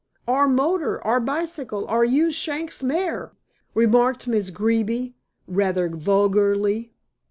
"Or motor, or bicycle, or use Shanks' mare," remarked Miss Greeby rather vulgarly.